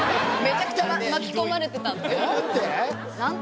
めちゃくちゃ巻き込まれてた。